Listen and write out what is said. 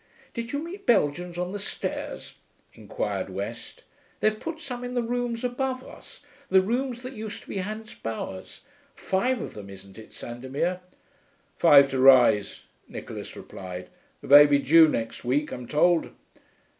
'Did you meet Belgians on the stairs?' inquired West. 'They've put some in the rooms above us the rooms that used to be Hans Bauer's. Five of them, isn't it, Sandomir?' 'Five to rise,' Nicholas replied. 'A baby due next week, I'm told.'